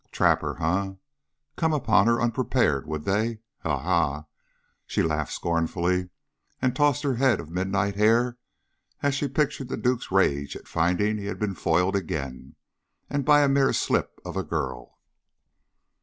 Trap her, eh? Come upon her unprepared, would they? Ha! ha! She laughed scornfully and tossed her head of midnight hair as she pictured the duke's rage at finding he had been foiled again, and by a mere slip of a girl!